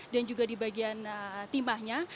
dan juga di bagian timahnya